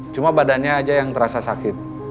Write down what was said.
cuma badannya aja yang terasa sakit